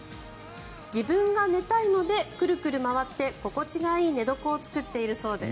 自分が寝たいのでクルクル回って心地がいい寝床を作っているそうです。